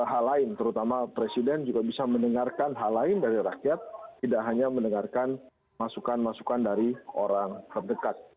hal lain terutama presiden juga bisa mendengarkan hal lain dari rakyat tidak hanya mendengarkan masukan masukan dari orang terdekat